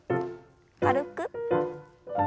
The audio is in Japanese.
軽く。